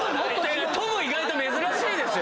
トム意外と珍しいですよ。